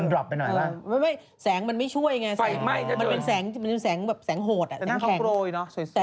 เห็นหน้าเท่าฉันเลยแต่งตาเท่าเจ๊เลย